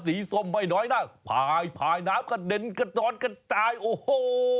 ส้มไม่น้อยนะพายพายน้ำกระเด็นกระดอนกระจายโอ้โห